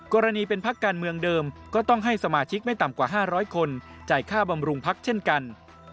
กรณีเป็นพักการเมืองเดิมก็ต้องให้สมาชิกไม่ต่ำกว่า๕๐๐คนจ่ายค่าบำรุงพักเช่นกัน